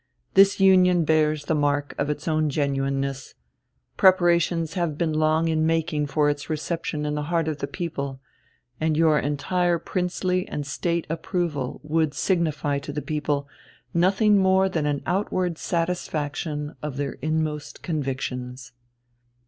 This union bears the mark of its own genuineness, preparations have been long in making for its reception in the heart of the people, and your entire princely and State approval would signify to the people nothing more than an outward satisfaction of their inmost convictions."